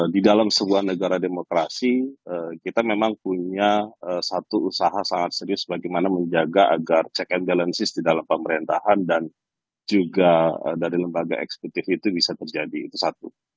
di dalam sebuah negara demokrasi kita memang punya satu usaha sangat serius bagaimana menjaga agar check and balances di dalam pemerintahan dan juga dari lembaga eksekutif itu bisa terjadi itu satu